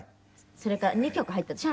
それから２曲入ったでしょ？